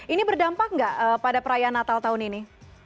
ini berdampak nggak pada perayaan natal tahun ini